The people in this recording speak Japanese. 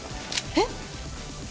えっ？